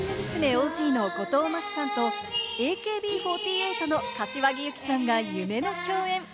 ＯＧの後藤真希さんとＡＫＢ４８の柏木由紀さんが夢の競演。